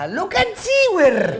lo kan siwir